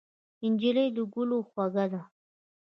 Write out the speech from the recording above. نجلۍ له ګلو خوږه ده.